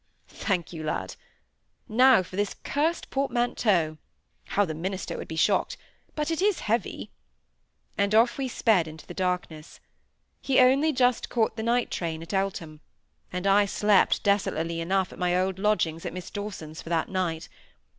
"Thank you, lad. Now for this cursed portmanteau (how the minister would be shocked); but it is heavy!" and off we sped into the darkness. He only just caught the night train at Eltham, and I slept, desolately enough, at my old lodgings at Miss Dawsons', for that night.